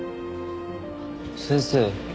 先生。